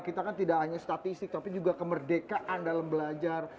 kita kan tidak hanya statistik tapi juga kemerdekaan dalam belajar